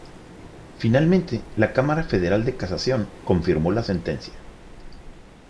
Finalmente, la Cámara Federal de Casación confirmó la sentencia.